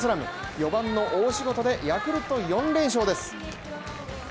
４番の大仕事でヤクルト４連勝です。